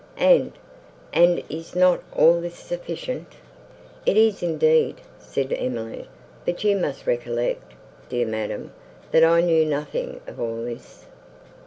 And, and—is not all this sufficient?" "It is, indeed," said Emily, "but you must recollect, dear madam, that I knew nothing of all this."